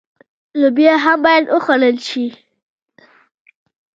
لوبیا هم باید وخوړل شي.